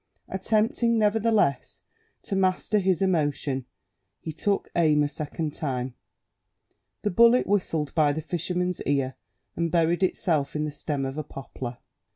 Attempting, nevertheless, to master his emotion, he took aim a second time; the bullet whistled by the fisherman's ear and buried itself in the stem of a poplar.